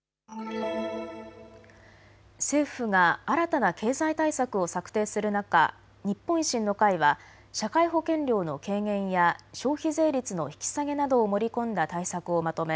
政府が新たな経済対策を策定する中、日本維新の会は社会保険料の軽減や消費税率の引き下げなどを盛り込んだ対策をまとめ